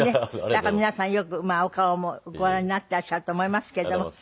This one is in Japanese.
だから皆さんよくお顔もご覧になっていらっしゃると思いますけれども。